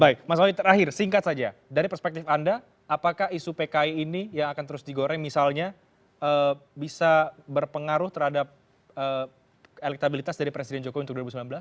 baik mas wawid terakhir singkat saja dari perspektif anda apakah isu pki ini yang akan terus digoreng misalnya bisa berpengaruh terhadap elektabilitas dari presiden jokowi untuk dua ribu sembilan belas